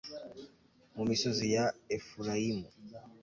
mu misozi ya efurayimu